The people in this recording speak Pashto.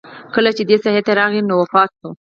کله چې دې ساحې ته راغی نو وفات شو.